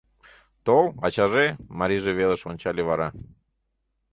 — Тол, ачаже, — марийже велыш ончале вара.